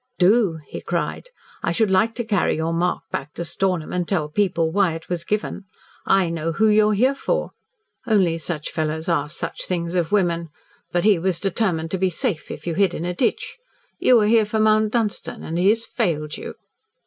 "Do!" he cried. "I should like to carry your mark back to Stornham and tell people why it was given. I know who you are here for. Only such fellows ask such things of women. But he was determined to be safe, if you hid in a ditch. You are here for Mount Dunstan and he has failed you!"